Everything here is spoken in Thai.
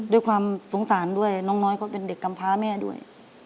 ด้วยความสงสารด้วยน้องน้อยเขาเป็นเด็กกำพาแม่ด้วย